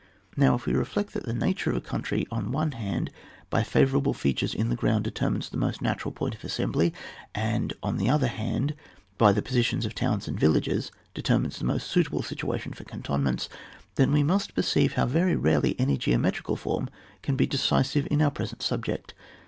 Now, if we reflect that the nature of a country, on the one hand, by favour able features in the ground determines the most natural point of assembly, and on the other hand, My the positions of towns and villages determines the most suitable situation for cantonments, then we must perceive how very rarely any geometrical form can be decisive in our present subject.